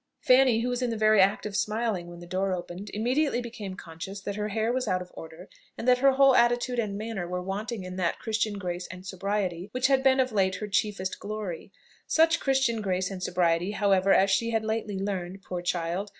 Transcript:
Fanny, who was in the very act of smiling when the door opened, immediately became conscious that her hair was out of order, and that her whole attitude and manner were wanting in that Christian grace and sobriety which had been of late her chiefest glory. Such Christian grace and sobriety, however, as she had lately learned, poor child!